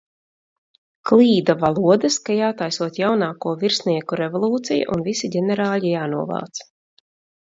Klīda valodas, ka jātaisot jaunāko virsnieku revolūcija un visi ģenerāļi jānovāc.